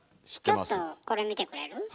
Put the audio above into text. ちょっとこれ見てくれる？